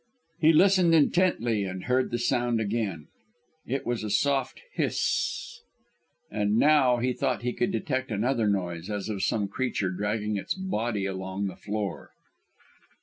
He listened intently and heard the sound again. It was a soft hiss! And now, he thought he could detect another noise as of some creature dragging its body along the floor.